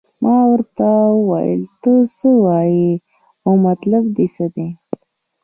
ما ورته وویل ته څه وایې او مطلب دې څه دی.